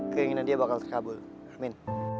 keinginan dia bakal terkabul amin